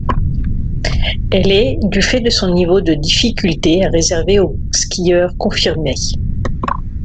Elle est, du fait de son niveau de difficulté, à réserver aux skieurs confirmés.